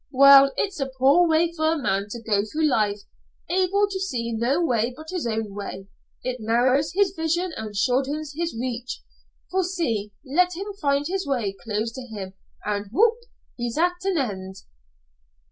Well, it's a poor way for a man to go through life, able to see no way but his own way. It narrows his vision and shortens his reach for, see, let him find his way closed to him, and whoop! he's at an end."